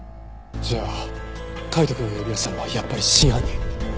じゃあ海斗くんを呼び出したのはやっぱり真犯人！